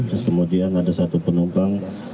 terus kemudian ada satu penumpang